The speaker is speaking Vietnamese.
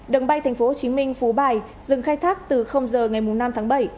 đường bay tp hcm phú bài dừng khai thác từ giờ ngày năm tháng bảy